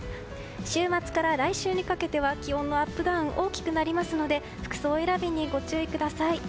週末から来週にかけては気温のアップダウンが大きくなりますので服装選びにご注意ください。